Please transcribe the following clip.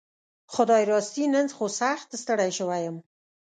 خدايي راستي نن خو سخت ستړى شوي يم